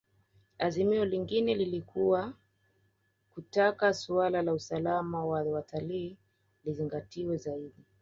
Azimio lingine lilikuwa kutaka suala la usalama wa watalii lizingatiwe zaidi